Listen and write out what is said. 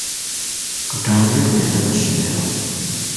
Tutambule tugende ku ssomero.